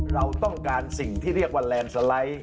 เราต้องการสิ่งที่เรียกว่าแลนด์สไลด์